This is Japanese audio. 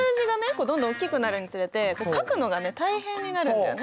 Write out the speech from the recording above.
こうどんどんおっきくなるにつれて書くのがね大変になるんだよね。